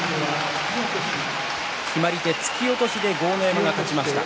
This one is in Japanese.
決まり手は突き落としで豪ノ山が勝ちました。